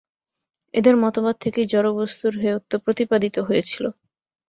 এদের মতবাদ থেকেই জড়বস্তুর হেয়ত্ব প্রতিপাদিত হয়েছিল।